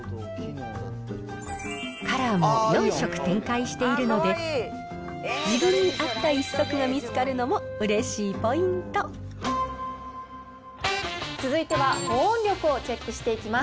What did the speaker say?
カラーも４色展開しているので、自分に合った一足が見つかる続いては、保温力をチェックしていきます。